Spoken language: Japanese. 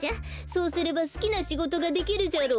そうすればすきなしごとができるじゃろ。